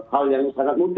hal yang sangat mudah